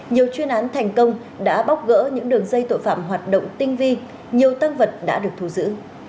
nhiều chuyên án thành công đã bóc gỡ những đường dây tội phạm hoạt động tinh vi nhiều tăng vật đã được thu giữ